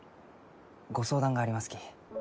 ご相談がありますき。